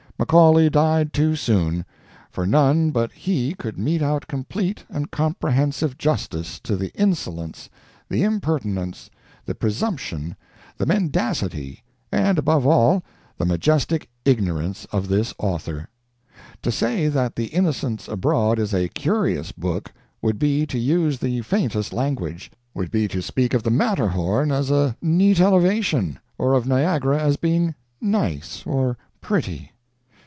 Macaulay died too soon for none but he could mete out complete and comprehensive justice to the insolence, the impertinence, the presumption, the mendacity, and, above all, the majestic ignorance of this author. To say that The Innocents Abroad is a curious book, would be to use the faintest language would be to speak of the Matterhorn as a neat elevation or of Niagara as being "nice" or "pretty."